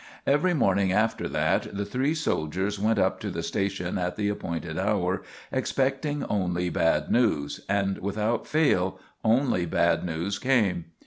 Every morning after that the three soldiers went up to the station at the appointed hour, expecting only bad news, and, without fail, only bad news came.